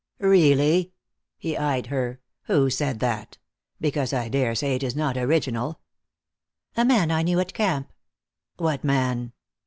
"Really?" he eyed her. "Who said that? Because I daresay it is not original." "A man I knew at camp." "What man?"